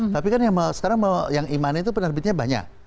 tapi kan sekarang yang iman itu penerbitnya banyak